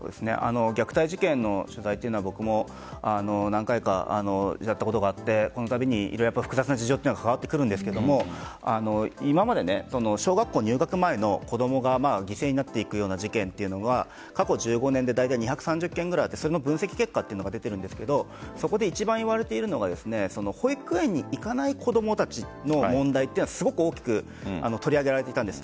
虐待事件の取材というのは僕も何回かやったことがあってそのたびに複雑な事情が関わってくるんですが今まで小学校入学前の子供が犠牲になっていく事件というのは過去１５年で２３０件くらいあってその分析結果が出ているんですけどそこで一番いわれているのが保育園に行かない子供たちの問題は、すごく大きく取り上げられていたんです。